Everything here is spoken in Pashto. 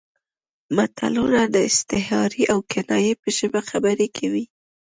متلونه د استعارې او کنایې په ژبه خبرې کوي